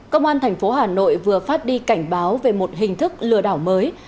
công an thành phố hà nội vừa phát đi cảnh báo về một hình thức lừa đảo mới